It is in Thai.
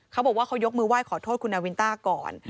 เขาบอกว่าเขายกมือไหว้ขอโทษคุณนาวินต้าก่อน